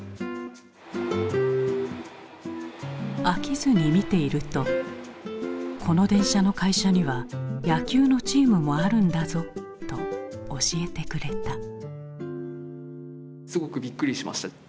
飽きずに見ていると「この電車の会社には野球のチームもあるんだぞ」と教えてくれた。